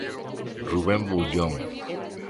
Rubén Boullón.